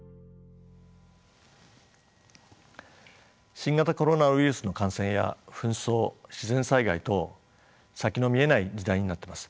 新型コロナウイルスの感染や紛争自然災害等先の見えない時代になっています。